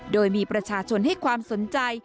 โดยมีประชาชนให้ความสนใจ